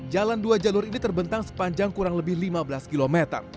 jalan dua jalur ini terbentang sepanjang kurang lebih lima belas km